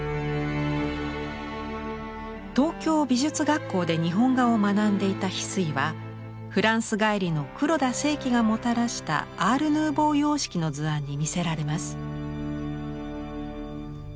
東京美術学校で日本画を学んでいた非水はフランス帰りの黒田清輝がもたらしたアール・ヌーヴォー様式の図案に魅せられます。